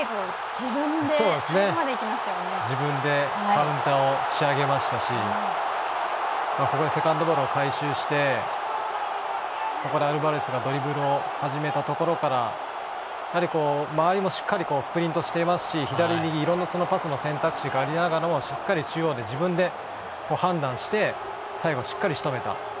自分でカウンターを仕上げましたしここでセカンドボールを回収してここからアルバレスがドリブルを始めたところからやはりこう周りもしっかりスプリントしていますし左右いろんなパスの選択肢がありながらもしっかり中央で自分で判断して最後、しっかりしとめた。